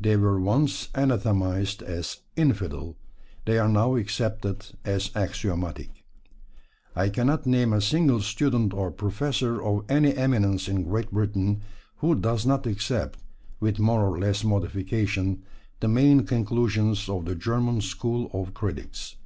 They were once anathematised as "infidel"; they are now accepted as axiomatic. I cannot name a single student or professor of any eminence in Great Britain who does not accept, with more or less modification, the main conclusions of the German school of critics.